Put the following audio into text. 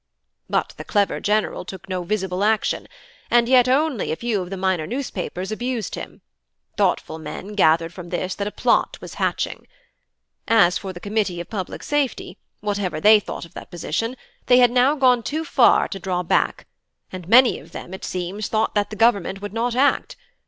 "But the clever general took no visible action; and yet only a few of the minor newspapers abused him; thoughtful men gathered from this that a plot was hatching. As for the Committee of Public Safety, whatever they thought of their position, they had now gone too far to draw back; and many of them, it seems, thought that the government would not act.